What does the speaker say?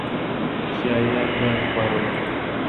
شايعات بايد خپاره نه کړو.